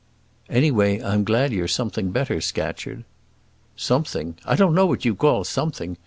"Anyway, I'm glad you're something better, Scatcherd." "Something! I don't know what you call something.